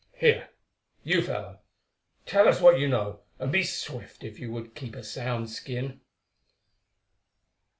Here, you fellow, tell us what you know, and be swift if you would keep a sound skin."